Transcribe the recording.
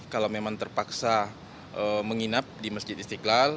kalau memang terpaksa menginap di masjid istiqlal